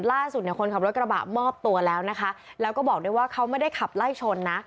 ล่าสุดเนี่ยคนขับรถกระบะมอบตัวแล้วนะคะแล้วก็บอกด้วยว่าเขาไม่ได้ขับไล่ชนนะ